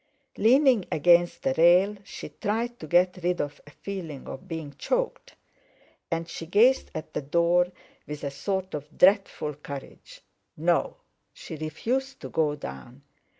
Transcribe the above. Leaning against the rail she tried to get rid of a feeling of being choked; and she gazed at the door with a sort of dreadful courage. No! she refused to go down.